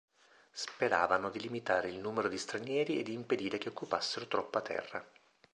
Speravano di limitare il numero di stranieri e di impedire che occupassero troppa terra.